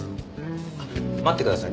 あっ待ってください。